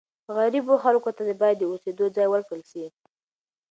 غریبو خلکو ته باید د اوسېدو ځای ورکړل سي.